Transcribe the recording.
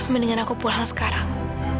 mendingan aku pulang sekarang